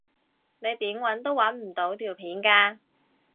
你點搵都搵唔到條片㗎